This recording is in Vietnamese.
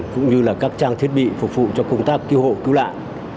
cũng như là các trang thiết bị phục vụ cho công tác cứu hộ cứu nạn